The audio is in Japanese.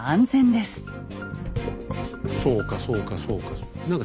そうかそうかそうかそうか。